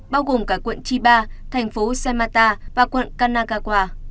bao gồm cả quận chiba thành phố samata và quận kanakawa